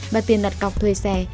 và tiền đặt cọc thuê xe